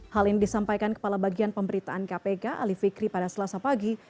hal ini disampaikan kepala bagian pemberitaan kpk ali fikri pada selasa pagi